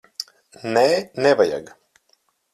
Nē, nevajag.